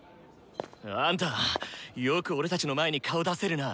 あんたよく俺たちの前に顔出せるな。